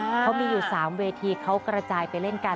เขามีอยู่๓เวทีเขากระจายไปเล่นกัน